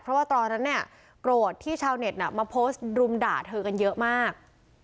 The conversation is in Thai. เพราะว่าตอนนั้นเนี่ยโกรธที่ชาวเน็ตมาโพสต์รุมด่าเธอกันเยอะมาก